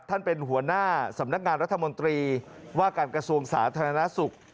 เป็นหัวหน้าสำนักงานรัฐมนตรีว่าการกระทรวงสาธารณสุข